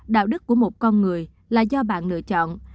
đạo đức của một con người là do bạn lựa chọn